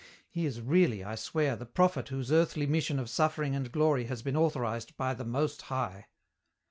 He is really, I swear, the prophet whose earthly mission of suffering and glory has been authorized by the Most High."